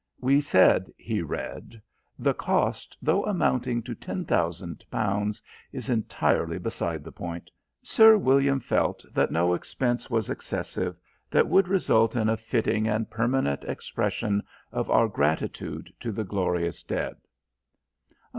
"We said," he read, "'the cost, though amounting to ten thousand pounds, is entirely beside the point. Sir William felt that no expense was excessive that would result in a fitting and permanent expression of our gratitude to the glorious dead.'"